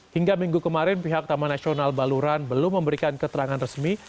hingga minggu kemarin pihak taman nasional baluran belum memberikan keterangan resmi